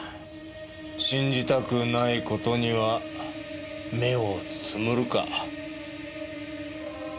信じたくない事には目をつむるか。